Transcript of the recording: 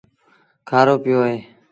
کآرو پيو اهي۔